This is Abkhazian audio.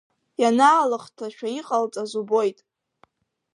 Ианаалыхҭашәа иҟалҵаз убоит.